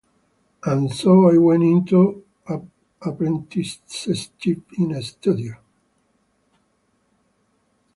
And so I went into apprenticeship in a studio.